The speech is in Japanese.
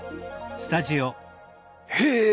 へえ！